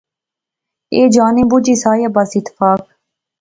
ایہہ جانی بجی سا یا بس اتفاق